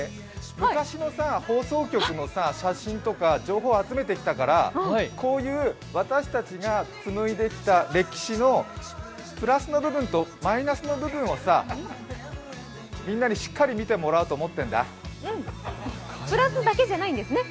昔の放送局のさ、写真とか情報、集めてきたからこういう私たちが紡いできた歴史のプラスの部分とマイナスの部分をみんなにしっかり見てもらおうと思ってんだ。